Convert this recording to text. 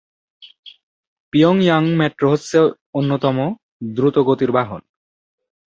পিয়ং ইয়াং মেট্রো হচ্ছে অন্যতম দ্রুতগতির বাহন।